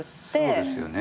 そうですよね。